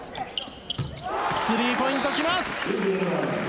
スリーポイント来ます！